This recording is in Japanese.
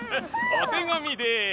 おてがみです。